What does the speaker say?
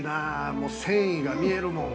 もう繊維が見えるもん。